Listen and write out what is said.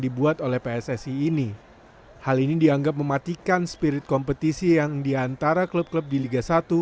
dibuat oleh pssi ini hal ini dianggap mematikan spirit kompetisi yang diantara klub klub di liga satu